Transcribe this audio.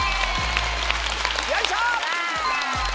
よいしょ！